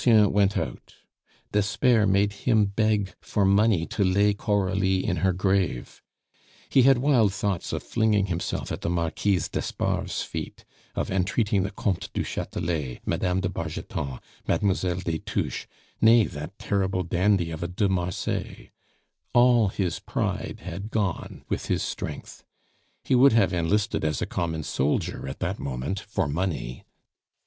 Lucien went out. Despair made him beg for money to lay Coralie in her grave. He had wild thoughts of flinging himself at the Marquise d'Espard's feet, of entreating the Comte du Chatelet, Mme. de Bargeton, Mlle. des Touches, nay, that terrible dandy of a de Marsay. All his pride had gone with his strength. He would have enlisted as a common soldier at that moment for money.